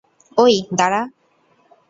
ঐ, দাঁড়া!